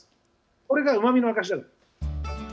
これが、うまみの証しなんです。